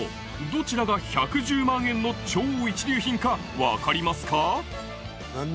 どちらが１１０万円の超一流品か分かりますか？